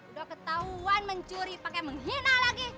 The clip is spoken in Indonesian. udah ketahuan mencuri pakai menghina lagi